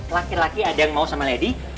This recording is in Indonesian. laki laki ada yang mau sama lady